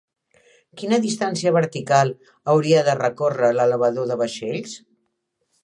Quina distància vertical hauria de recórrer l'elevador de vaixells?